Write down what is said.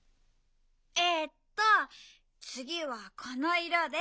えっとつぎはこのいろで。